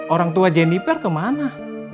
orang tua jennifer kemana